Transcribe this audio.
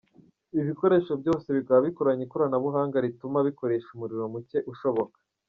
Ibi bikoresho byose bikaba bikoranye ikoranabuhanga rituma bikoresha umuriro mucye ushoboka .